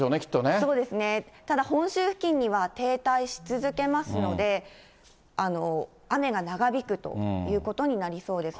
そうですね、本州付近には停滞し続けますので、雨が長引くということになりそうです。